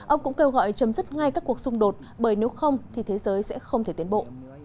ông cũng kêu gọi chấm dứt ngay các cuộc xung đột bởi nếu không thì thế giới sẽ không thể tiến bộ